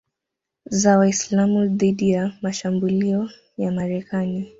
za Waislamu dhidi ya mashambulio ya Marekani